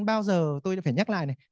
chúng ta sẽ phải nhắc lại này